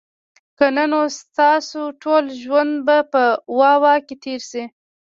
که نه نو ستاسو ټول ژوند به په "واه، واه" کي تیر سي